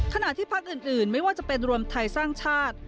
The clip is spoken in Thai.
ขณะที่พักอื่นไม่ว่าจะเป็นรวมไทยสร้างชาติ